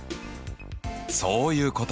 そういうこと！